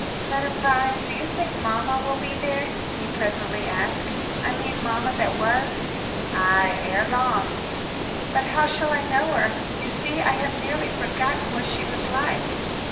'" "Madame Vine, do you think mamma will be there?" he presently asked. "I mean mamma that was." "Ay, ere long." "But how shall I know her? You see, I have nearly forgotten what she was like."